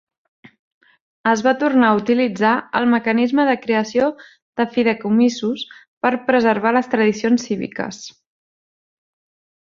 Es va tornar a utilitzar el mecanisme de creació de fideïcomisos per preservar les tradicions cíviques.